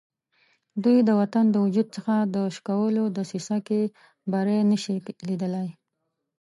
دوی د وطن د وجود څخه د شکولو دسیسه کې بری نه شي لیدلای.